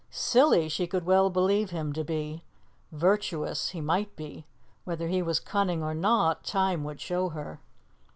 Silly she could well believe him to be; virtuous he might be; whether he was cunning or not, time would show her.